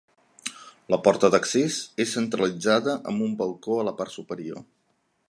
La porta d'accés és centralitzada amb un balcó a la part superior.